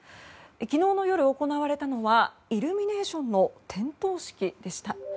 昨日の夜行われたのはイルミネーションの点灯式でした。